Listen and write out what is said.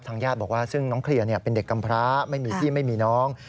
ญาติบอกว่าซึ่งน้องเคลียร์เป็นเด็กกำพร้าไม่มีพี่ไม่มีน้อง